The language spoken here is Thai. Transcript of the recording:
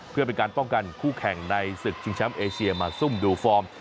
เพื่อเป็นการป้องกันคู่แข่งในศึกชิงแชมป์เอเชียมาซุ่มดูฟอร์ม